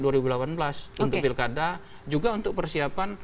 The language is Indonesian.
untuk pilkada juga untuk persiapan